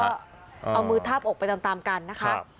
ทุกคนก็เอามือทาบอกไปตามตามกันนะคะใช่